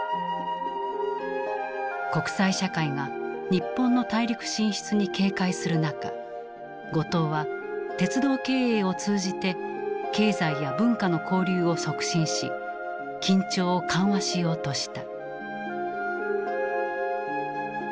国際社会が日本の大陸進出に警戒する中後藤は鉄道経営を通じて経済や文化の交流を促進し緊張を緩和しようとした。